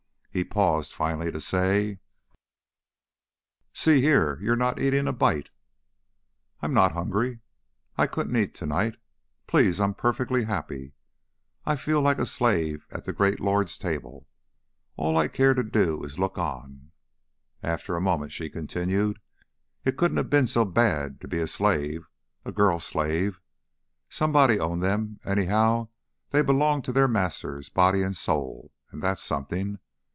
He paused, finally, to say: "See here! You're not eating a bite." "I'm not hungry. I couldn't eat, to night. Please I'm perfectly happy. I feel like a slave at the great lord's table; all I care to do is look on." After a moment she continued: "It couldn't have been so bad to be a slave a girl slave. Somebody owned them, anyhow; they belonged to their masters, body and soul, and that's something.